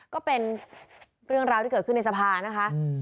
ก็เป็นเรื่องราวที่เกิดขึ้นในสภานะคะ